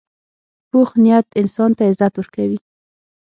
پوخ نیت انسان ته عزت ورکوي